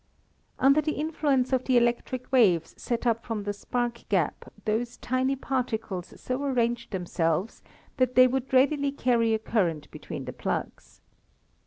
Under the influence of the electric waves set up from the spark gap those tiny particles so arranged themselves that they would readily carry a current between the plugs.